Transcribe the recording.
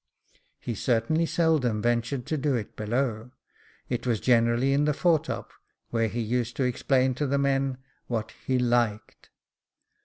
He certainly seldom ventured to do it below ; it was generally in the foretop, where he used to explain to the men what he liked.